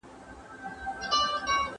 هغې وویل فضا ته تلل باور زیاتوي.